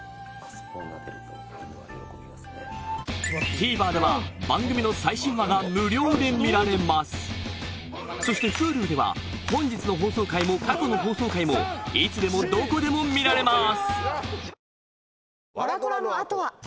ＴＶｅｒでは番組の最新話が無料で見られますそしてＨｕｌｕでは本日の放送回も過去の放送回もいつでもどこでも見られます